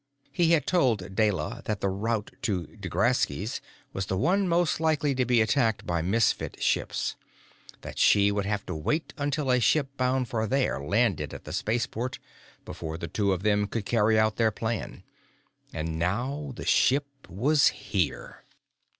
He had told Deyla that the route to D'Graski's was the one most likely to be attacked by Misfit ships, that she would have to wait until a ship bound for there landed at the spaceport before the two of them could carry out their plan. And now the ship was here.